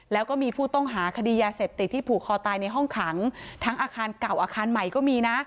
แล้วก็มีผู้ต้องหาคดียาเสพติดที่ผูกคอตายในห้องขังทั้งอาคารเก่าอาคารใหม่ก็มีนะ